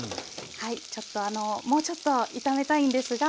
はいちょっとあのもうちょっと炒めたいんですがはい。